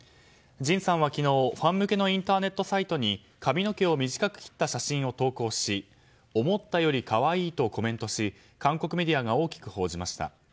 ＪＩＮさんは昨日ファン向けのインターネットサイトに髪の毛を短く切った写真を投稿し思ったより可愛いとコメントし韓国メディアが大きく報じました。